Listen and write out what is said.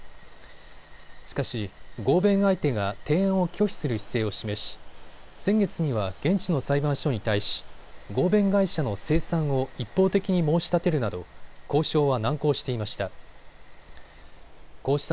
しかし合弁相手が提案を拒否する姿勢を示し先月には現地の裁判所に対し合弁会社の清算を一方的に申し立てるなど交渉は難航していました。